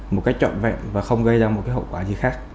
một cách trọn vẹn và không gây ra một hậu quả gì khác